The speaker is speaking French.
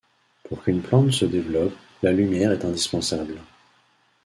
Pour qu'une plante se développe, la lumière est indispensable.